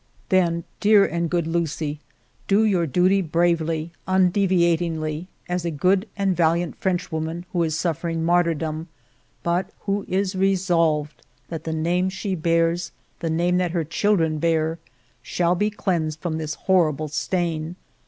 " Then, dear and good Lucie, do your duty bravely, undeviatingly, as a good and valiant Frenchwoman who is suffering martyrdom, but who is resolved that the name she bears, the name that her children bear, shall be cleansed from this horrible stain.